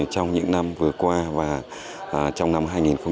trong những năm vừa qua và trong năm hai nghìn một mươi bảy